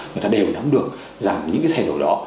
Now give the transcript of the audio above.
người ta đều nắm được rằng những cái thay đổi đó